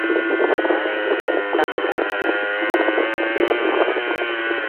هآڻي هِتآنٚ کآݩ هلونٚ۔